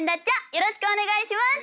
よろしくお願いします。